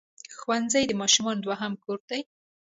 ښوونځی د ماشومانو دوهم کور دی.